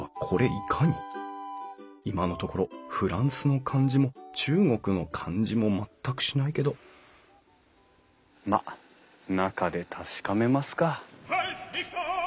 今のところフランスの感じも中国の感じも全くしないけどまっ中で確かめますか。